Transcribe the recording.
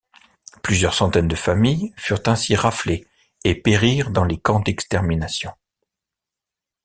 Plusieurs centaines de familles furent ainsi raflées et périrent dans les camps d'extermination.